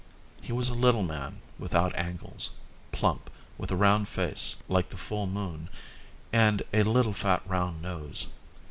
He was a little man, without angles, plump, with a round face like the full moon and a little fat round nose.